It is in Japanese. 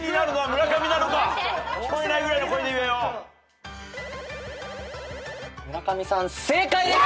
村上さん正解です！